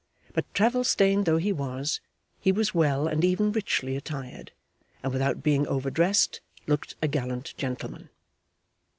But travel stained though he was, he was well and even richly attired, and without being overdressed looked a gallant gentleman.